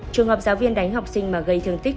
trường hợp giáo viên đánh học sinh mà gây thương tích